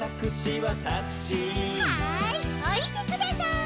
はいおりてください。